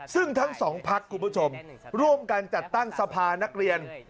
ซึ่งทั้งสองพักคุณผู้ชมร่วมกันจัดตั้งสภานักเรียน